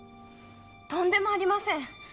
とんでもありません！